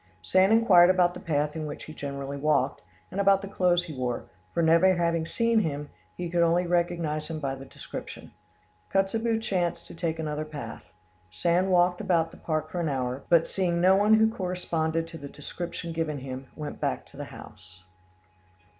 Sand inquired about the path in which he generally walked, and about the clothes he wore, for never having seen him he could only recognise him by the description. Kotzebue chanced to take another path. Sand walked about the park for an hour, but seeing no one who corresponded to the description given him, went back to the house.